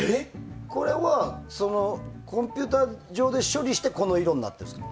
これはコンピューター上で処理してこの色になっているんですか。